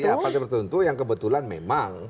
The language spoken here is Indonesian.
ada partai tertentu yang kebetulan memang